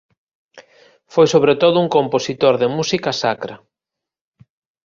Foi sobre todo un compositor de música sacra.